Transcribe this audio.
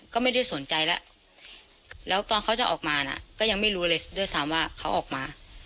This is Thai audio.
ก็ไม่ได้สนใจแล้วแล้วตอนเขาจะออกมานะก็ยังไม่รู้เลยด้วยซ้ำว่าเขาออกมา